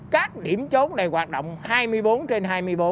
các điểm trốn này hoạt động hai mươi bốn trên hai mươi bốn